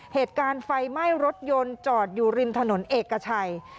เหตุการณ์ไฟไหม้รถยนต์จอดอยู่ริมถนนเอกชัย